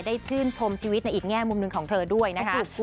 ชื่นชมชีวิตในอีกแง่มุมหนึ่งของเธอด้วยนะคะ